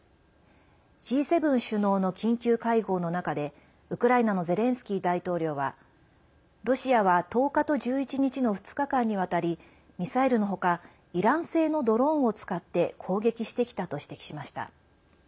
Ｇ７首脳の緊急会合の中でウクライナのゼレンスキー大統領はロシアは１０日と１１日の２日間にわたりミサイルのほかイラン製のドローンを使って攻撃してきたと指摘しました。